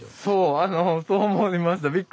そう思いました。